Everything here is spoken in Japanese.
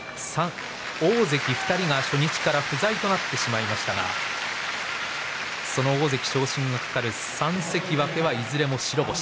大関２人が初日から不在となってしまいましたがその大関昇進を懸ける３関脇はいずれも白星。